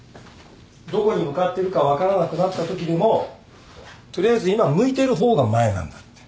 「どこに向かってるか分からなくなったときでも取りあえず今向いてる方が前なんだ」って。